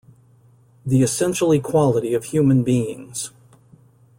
The Essential Equality of Human Beings.